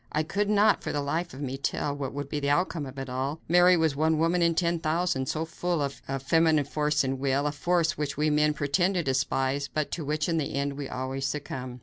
I could not for the life of me tell what would be the outcome of it all. Mary was one woman in ten thousand, so full was she of feminine force and will a force which we men pretend to despise, but to which in the end we always succumb.